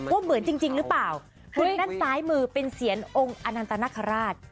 ว่าเหมือนจริงหรือเปล่าคุณด้านซ้ายมือเป็นเสียงองค์อนันตนคราช